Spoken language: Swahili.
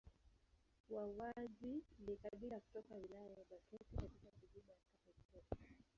Wawanji ni kabila kutoka wilaya ya Makete katika milima ya Kipengere